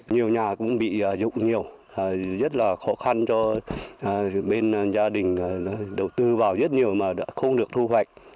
nhiều nhà cũng bị dụng nhiều rất là khó khăn cho bên gia đình đầu tư vào rất nhiều mà đã không được thu hoạch